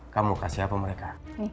kamu kasih apa mereka